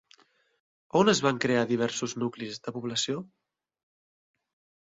On es van crear diversos nuclis de població?